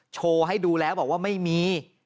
โชว์ให้ดูแล้วบอกว่าไม่มี